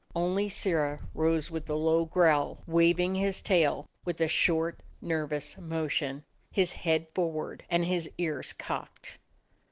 Only Sirrah rose with a low growl, waving his tail with a short nervous motion, his head forward and ears cocked.